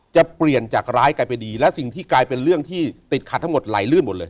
จะเปลี่ยนจากร้ายกลายเป็นดีและสิ่งที่กลายเป็นเรื่องที่ติดขัดทั้งหมดไหลลื่นหมดเลย